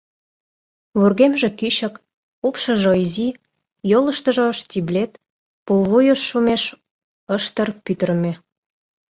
Вургемже кӱчык, упшыжо изи, йолыштыжо штиблет, пулвуйыш шумеш ыштыр пӱтырымӧ.